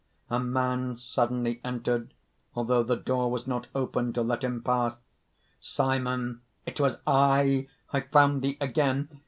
"A man suddenly entered, although the door was not opened to let him pass." SIMON. "It was I! I found thee again!